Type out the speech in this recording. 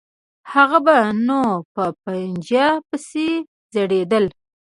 هغه به نو په پنجه پسې ځړېدل.